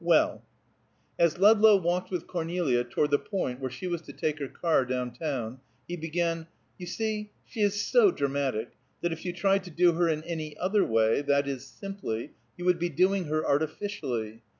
"Well!" As Ludlow walked with Cornelia toward the point where she was to take her car down town, he began, "You see, she is so dramatic, that if you tried to do her in any other way that is, simply you would be doing her artificially.